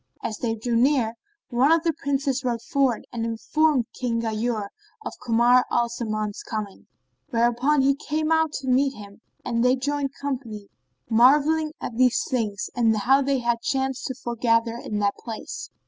As they drew near, one of the Princes rode forward and informed King Ghayur of Kamar al Zaman's coming, whereupon he came out to meet him and they joined company, marvelling at these things and how they had chanced to foregather in that place.